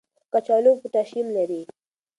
کچالو پوټاشیم لري.